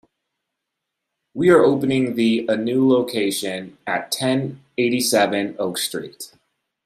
We are opening the a new location at ten eighty-seven Oak Street.